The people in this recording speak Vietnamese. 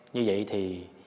như vậy thì